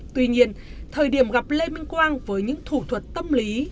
tuy nhiên thời điểm gặp lê minh quang với những thủ thuật tâm lý